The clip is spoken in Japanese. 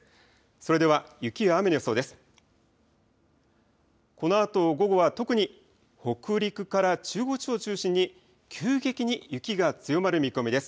それでは雪や雨の予想です。